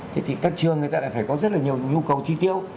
thì các trường người ta phải có rất nhiều nhu cầu chi tiêu